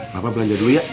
papa belanja dulu ya